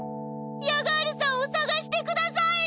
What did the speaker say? ヤガールさんをさがしてください！